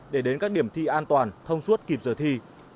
để đến các điểm thi an toàn thông suốt kịp giờ thi